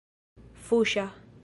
fuŝa